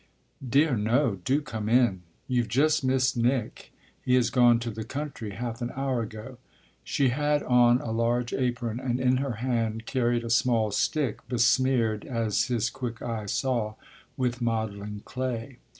"Dear no do come in. You've just missed Nick; he has gone to the country half an hour ago." She had on a large apron and in her hand carried a small stick, besmeared, as his quick eye saw, with modelling clay.